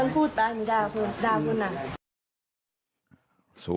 ผู้ตาย